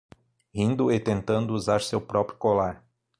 Rindo e tentando usar seu próprio colar